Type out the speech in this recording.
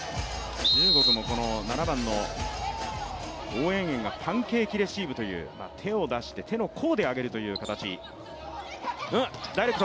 中国も７番のオウ・エンエンがパンケーキレシーブという手を出して、手の甲で上げるという形です。